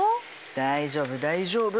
大丈夫大丈夫。